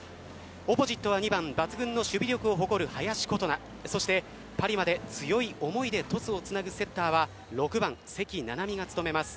オポジットは２番抜群の守備力を誇る、林琴奈そしてパリまで強い思いでトスをつなぐセッターは６番・関菜々巳が務めます。